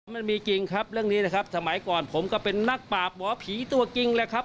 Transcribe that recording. มันมีจริงครับเรื่องนี้นะครับสมัยก่อนผมก็เป็นนักปราบหมอผีตัวจริงแหละครับ